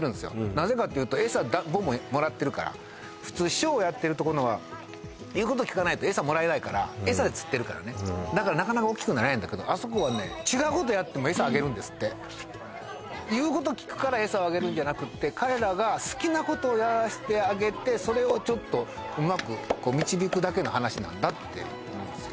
なぜかっていうとエサボンボンもらってるから普通ショーやってるとこのは言うこときかないとエサもらえないからエサで釣ってるからねだからなかなか大きくならへんだけどあそこはね違うことやってもエサあげるんですって言うこときくからエサをあげるんじゃなくって彼らが好きなことをやらしてあげてそれをちょっとうまく導くだけの話なんだって言うんですよ